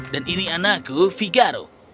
dan ini anakku figaro